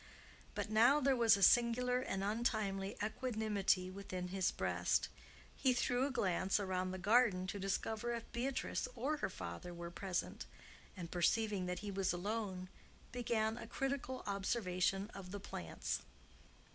But now there was a singular and untimely equanimity within his breast. He threw a glance around the garden to discover if Beatrice or her father were present, and, perceiving that he was alone, began a critical observation of the plants.